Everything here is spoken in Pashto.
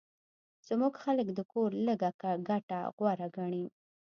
زموږ خلک د کور لږه ګټه غوره ګڼي